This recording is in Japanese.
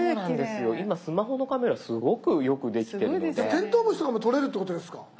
テントウムシとかも撮れるってことですか？